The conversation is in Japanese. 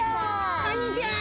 こんにちは。